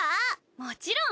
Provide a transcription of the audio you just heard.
もちろん！